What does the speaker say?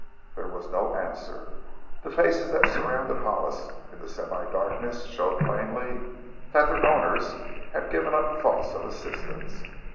There was no answer. The faces that surrounded Hollis in the semi darkness showed plainly that their owners had given up thoughts of assistance.